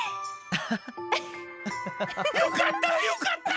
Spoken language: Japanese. よかったよかった！